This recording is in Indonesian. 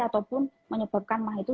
ataupun menyebabkan emah itu